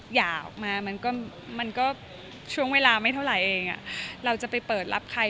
อยากออกมามันก็ช่วงเวลาไม่เท่าไหร่เองเราจะไปเปิดรับใคร